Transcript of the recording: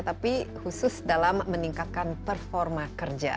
jadi khusus dalam meningkatkan performa kerja